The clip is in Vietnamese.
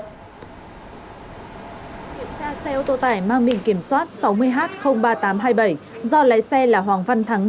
điện tra xe ô tô tải mang mình kiểm soát sáu mươi h ba nghìn tám trăm hai mươi bảy do lấy xe là hoàng văn thắng